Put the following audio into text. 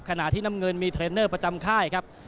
ขณะที่น้ำเงินมีเทรนเนอร์ประจำค่ายครับ